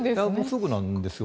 すぐなんですよ。